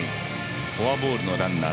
フォアボールのランナー。